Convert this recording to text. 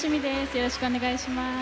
よろしくお願いします。